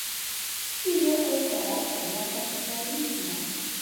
Tio estas la kapitalismo.